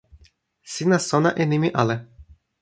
sina sona e nimi ale.